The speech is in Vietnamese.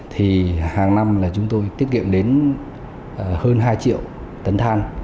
thì hàng năm là chúng tôi tiết kiệm đến hơn hai triệu tấn than